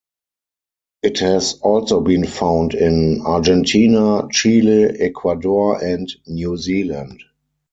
It has also been found in Argentina, Chile, Ecuador, and New Zealand.